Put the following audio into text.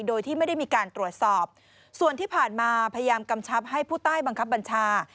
โดยที่ไม่ได้มีการตรวจสอบส่วนที่ผ่านมาพยายามกำชับให้ผู้ใต้บังคับบัญชา